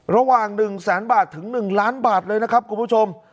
ระหว่าง๑แสนบาทถึง๑ล้านบาทเลยนะครับคุณผู้ชม